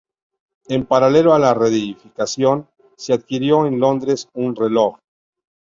En paralelo a la reedificación se adquirió en Londres un reloj.